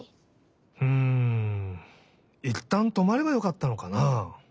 うんいったんとまればよかったのかな。